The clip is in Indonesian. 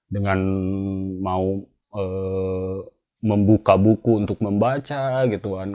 dengan mau membuka buku untuk membaca gitu kan